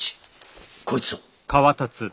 こいつを。